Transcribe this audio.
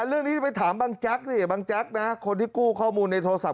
เรื่องนี้ไปถามบางจักรนี่บางจักรนะฮะคนที่กู้ข้อมูลในโทรศัพท์